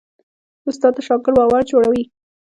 استاد د شاګرد باور جوړوي.